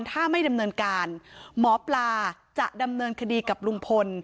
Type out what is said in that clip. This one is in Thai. ถ้าไม่ดำเนินการหมอปลาจะดำเนินคดีกับลุงพล